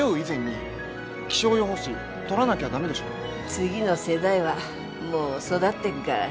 次の世代はもう育ってっがら。